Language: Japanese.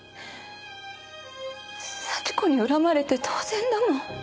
幸子に恨まれて当然だもん。